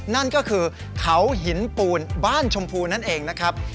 นั่นก็คือเขาหินปูนบ้านชมพูนั่นเองนะครับ